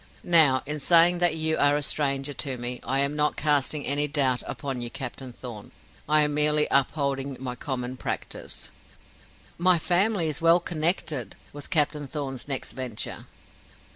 Now, in saying that you are a stranger to me, I am not casting any doubt upon you, Captain Thorn, I am merely upholding my common practice." "My family is well connected," was Captain Thorn's next venture.